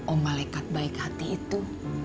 om malekat baik hati itu